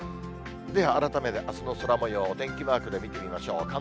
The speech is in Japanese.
では改めて、あすの空もよう、お天気マークで見てみましょう。